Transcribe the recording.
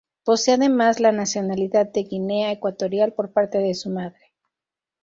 Posee además la nacionalidad de Guinea Ecuatorial por parte de su madre.